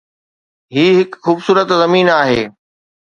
هي هڪ خوبصورت زمين آهي.